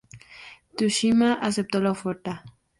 Tsushima aceptó la oferta.